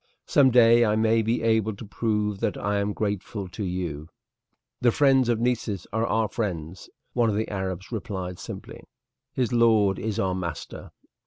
"Some day I may be able to prove that I am grateful to you." "The friends of Nessus are our friends," one of the Arabs replied simply; "his lord is our master."